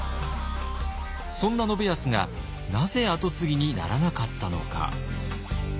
そんな信康がなぜ跡継ぎにならなかったのか。